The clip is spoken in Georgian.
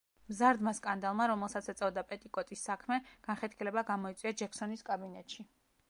მზარდმა სკანდალმა, რომელსაც ეწოდა „პეტიკოტის საქმე“, განხეთქილება გამოიწვია ჯექსონის კაბინეტში.